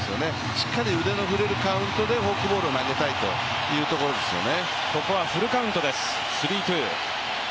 しっかり腕の振れるカウントでフォークボールを投げたいところですよね。